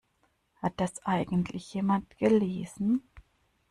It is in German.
Hat das eigentlich jemand gelesen?